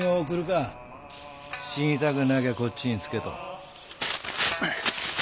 死にたくなきゃこっちにつけと。